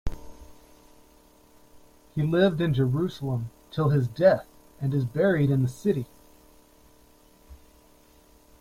He lived in Jerusalem till his death, and is buried in the city.